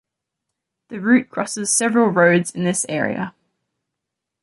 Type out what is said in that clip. The route crosses several roads in this area.